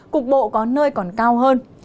cục bộ có nơi còn cao hơn